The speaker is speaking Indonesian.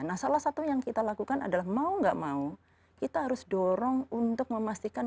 nah salah satu yang kita lakukan adalah mau gak mau kita harus dorong untuk memastikan